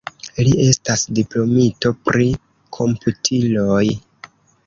Li estas diplomito pri komputiloj.